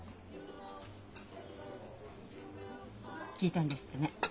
聞いたんですってね？